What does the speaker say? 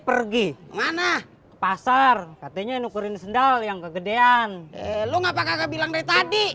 dipergi mana pasar katanya ngukurin sendal yang kegedean lu ngapa kakak bilang dari tadi